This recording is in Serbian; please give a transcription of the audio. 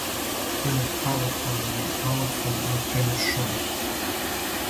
или палатални алофон на пример шума.